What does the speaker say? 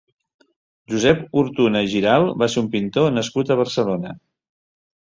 Josep Hurtuna i Giralt va ser un pintor nascut a Barcelona.